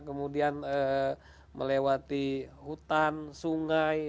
kemudian melewati hutan sungai